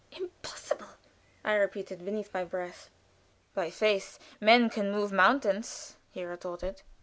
"Impossible!" I repeated, beneath my breath. "By faith men can move mountains," he retorted.